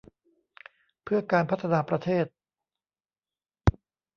เพื่อการพัฒนาประเทศ